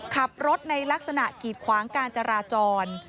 ขับรถในลักษณะกีดขวางการจราจร